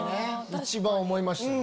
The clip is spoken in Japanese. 一番思いましたね。